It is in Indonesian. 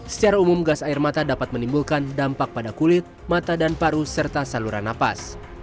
secara umum gas air mata dapat menimbulkan dampak pada kulit mata dan paru serta saluran nafas